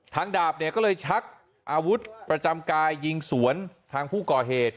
ดาบเนี่ยก็เลยชักอาวุธประจำกายยิงสวนทางผู้ก่อเหตุ